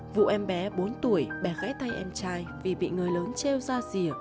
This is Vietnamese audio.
vụ em bé bốn tuổi bè gãy tay em trai vì bị người lớn treo ra rìa